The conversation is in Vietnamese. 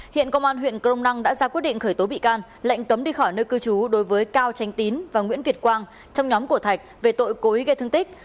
hiện công an huyện crong năng đã ra quyết định khởi tố bị can lệnh cấm đi khỏi nơi cư trú đối với cao tránh tín và nguyễn việt quang trong nhóm của thạch về tội cố ý gây thương tích